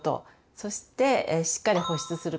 そしてしっかり保湿すること。